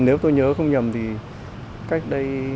nếu tôi nhớ không nhầm thì cách đây